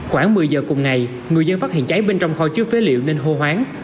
khoảng một mươi giờ cùng ngày người dân phát hiện cháy bên trong kho chứa phế liệu nên hô hoáng